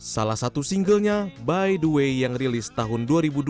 salah satu singlenya by the way yang rilis tahun dua ribu dua belas